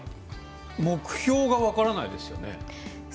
目標が分からないですよね。